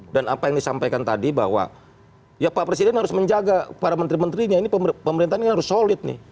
dan apa yang disampaikan tadi bahwa ya pak presiden harus menjaga para menteri menterinya ini pemerintahnya harus solid nih